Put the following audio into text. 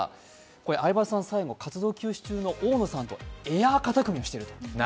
相葉さん、最後に活動休止中の大野さんとエアー肩組みしてる。